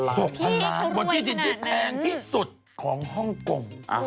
๖๐๐๐ล้านบทที่ดินที่แพงที่สุดของฮ่องกงที่เขารวยขนาดนั้น